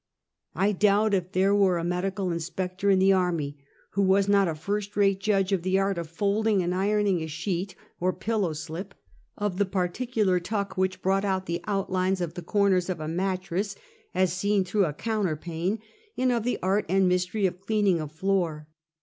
I doubt if there were a Medical Inspector in the army who was not a first rate judge of tlie art of fold ing and ironing a sheet or pillow slip; of the particular tuck which brought out the outlines of the corners of a mattress, as seen through a counterpane; and of the art and mystery of cleaning a fioor.